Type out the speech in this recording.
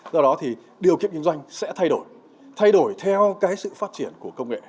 do đó thì điều kiện kinh doanh sẽ thay đổi thay đổi theo sự phát triển của công nghệ